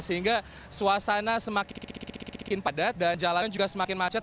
sehingga suasana semakin padat dan jalanan juga semakin macet